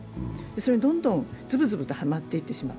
それにどんどんずぶずぶとはまっていってしまう。